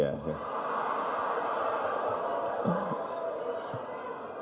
bapak sekarang kok ganteng ya